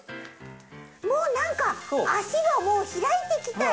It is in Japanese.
もうなんかあしがもうひらいてきたよ。